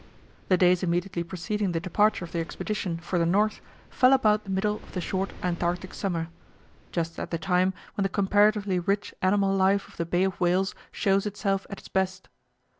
The days immediately preceding the departure of the expedition for the north fell about the middle of the short Antarctic summer, just at the time when the comparatively rich animal life of the Bay of Whales shows itself at its best.